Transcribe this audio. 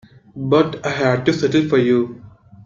But I had to settle for you.